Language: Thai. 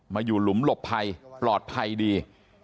อยู่หลุมหลบภัยปลอดภัยดี